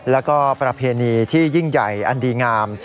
แล้วก็ประเพณีที่ยิ่งใหญ่อันดีงาม